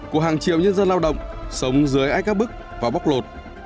của hàng triệu nhân dân lao động sống dưới ái các bức và bóc lột